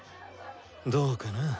どうかな。